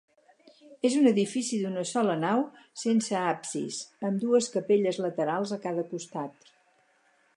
És un edifici d'una sola nau, sense absis, amb dues capelles laterals a cada costat.